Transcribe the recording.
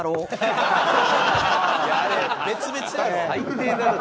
いやあれ別々やろ。